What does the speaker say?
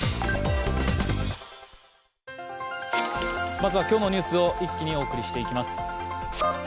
まずは、今日のニュースを一気にお送りしていきます。